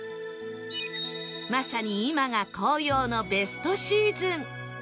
まさに今が紅葉のベストシーズン